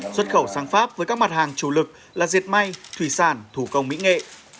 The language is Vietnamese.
xuất khẩu sang pháp với các mặt hàng chủ lực là diệt may thủy sản thủ công mỹ nghệ